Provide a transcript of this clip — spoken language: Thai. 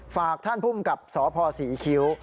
ฝากท่านผู้มกับสภศรีอิคิว